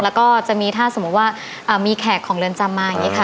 แล้วก็จะมีถ้าสมมุติว่ามีแขกของเรือนจำมาอย่างนี้ค่ะ